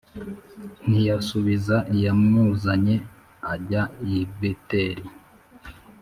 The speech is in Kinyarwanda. ntiyasubiza iyamuzanye ajya i Beteli